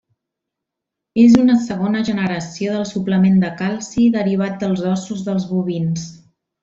És una segona generació del suplement de calci derivat dels ossos dels bovins.